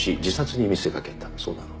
そうだろ？